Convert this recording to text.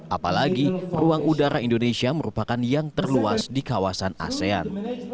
apalagi ruang udara indonesia merupakan yang terluas di kawasan asean